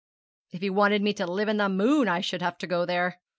'If he wanted me to live in the moon I should have to go there!'